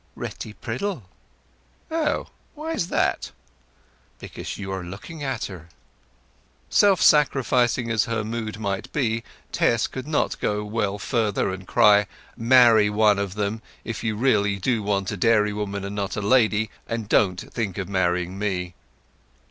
"Retty Priddle." "Oh! Why it that?" "Because you are looking at her." Self sacrificing as her mood might be, Tess could not well go further and cry, "Marry one of them, if you really do want a dairywoman and not a lady; and don't think of marrying me!"